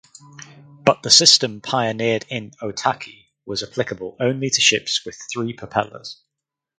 But the system pioneered in "Otaki" was applicable only to ships with three propellers.